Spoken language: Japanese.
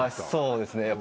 そうですね。